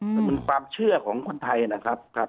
แต่เป็นความเชื่อของคนไทยนะครับ